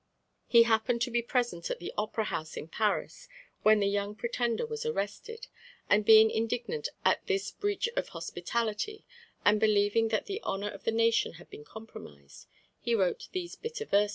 He happened to be present at the Opera House in Paris when the young Pretender was arrested, and being indignant at this breach of hospitality, and believing that the honour of the nation had been compromised, he wrote these bitter verses.